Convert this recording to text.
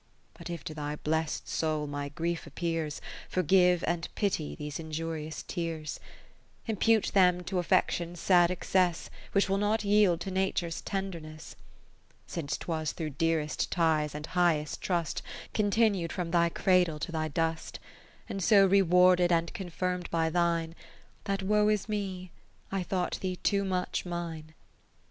But if to thy blest soul my grief appears, Forgive and pity these injurious tears :( 531 ) M m 2 Impute them to Affection's sad excess, Which will not yield to Nature's tenderness. Since 'twas through dearest ties and highest trust Continued from thy cradle to thy dust ; 80 And so rewarded and confirm'd by thine, That (woe is me !) I thought thee too much mine.